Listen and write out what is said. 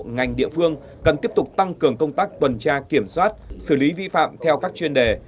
ngành địa phương cần tiếp tục tăng cường công tác tuần tra kiểm soát xử lý vi phạm theo các chuyên đề